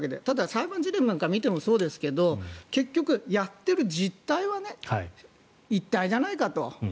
裁判事例を見てもそうですが結局、やっている実態は一体じゃないかと。